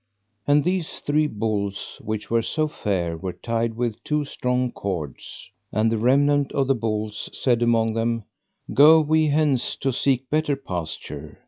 And these three bulls which were so fair were tied with two strong cords. And the remnant of the bulls said among them: Go we hence to seek better pasture.